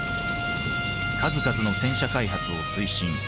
数々の戦車開発を推進。